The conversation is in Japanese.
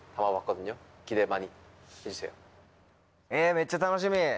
めっちゃ楽しみ！